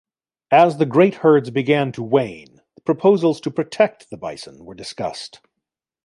As the great herds began to wane, proposals to protect the bison were discussed.